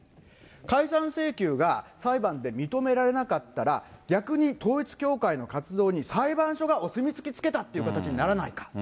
解散請求が裁判で認められなかったら、逆に統一教会の活動に裁判所がお墨付きつけたって形にならないか。